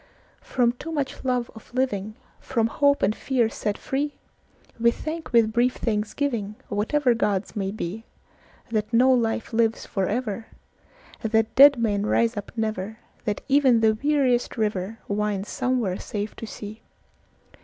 From too much love of living, From hope and fear set free, We thank with brief thanksgivingWhatever gods may beThat no life lives for ever; That dead men rise up never; That even the weariest riverWinds somewhere safe to sea.